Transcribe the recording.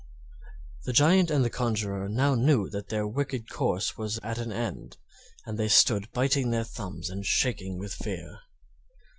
The Giant and the conjurer now knew that their wicked course was at an end, and they stood biting their thumbs and shaking within fear.